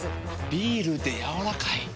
ビールでやわらかい。